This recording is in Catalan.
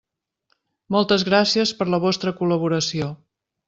Moltes gràcies per la vostra col·laboració.